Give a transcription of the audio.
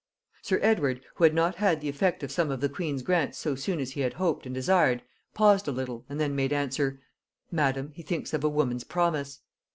Sir Edward, who had not had the effect of some of the queen's grants so soon as he had hoped and desired, paused a little, and then made answer; 'Madam, he thinks of a woman's promise.'